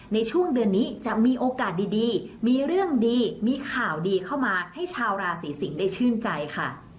ในช่วงเดือนนี้จะมีโอกาสดีมีเรื่องดีมีข่าวดีเข้ามาให้ชาวราศีสิงศ์ได้ชื่นใจค่ะ